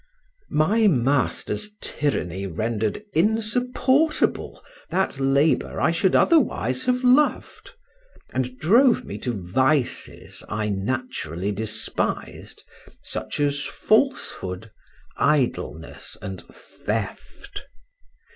My master's tyranny rendered insupportable that labor I should otherwise have loved, and drove me to vices I naturally despised, such as falsehood, idleness, and theft.